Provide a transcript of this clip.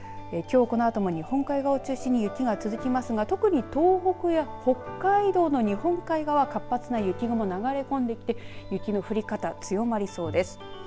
きょうこのあとも日本海側を中心に雪が続きますが特に東北や北海道の日本海側は活発な雪雲、流れ込んできて雪の降り方、強まりそうです。